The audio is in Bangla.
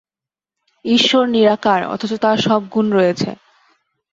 ঈশ্বর নিরাকার, অথচ তাঁর সব গুণ রয়েছে।